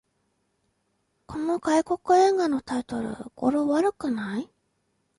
この外国映画のタイトル、語呂悪くない？